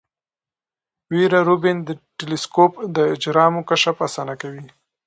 ویرا روبین ټیلسکوپ د اجرامو کشف اسانه کوي.